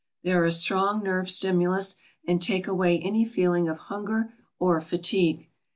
They are a strong nerve stimulus and take away any feeling of hunger or fatigue.